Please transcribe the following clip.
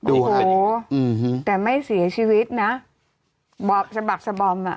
โอ้โหแต่ไม่เสียชีวิตนะบอบสะบักสะบอมอ่ะ